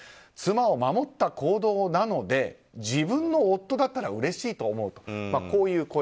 妻を守った行動なので自分の夫だったらうれしいと思うと。